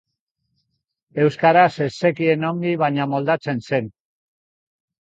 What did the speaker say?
Euskaraz ez zekien ongi, baina moldatzen zen.